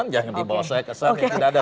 jangan dibawa saya kesan